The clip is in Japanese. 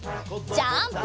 ジャンプ！